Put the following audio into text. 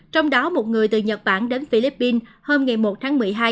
trong đó một người từ nhật bản đến philippines hôm ngày một tháng một mươi hai